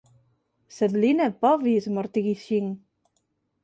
Sed li ne povis mortigi ŝin.